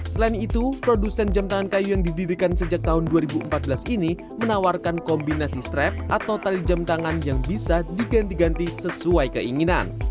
selain itu produsen jam tangan kayu yang didirikan sejak tahun dua ribu empat belas ini menawarkan kombinasi strap atau tali jam tangan yang bisa diganti ganti sesuai keinginan